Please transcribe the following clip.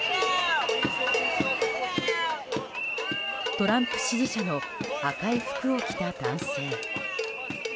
トランプ支持者の赤い服を着た男性。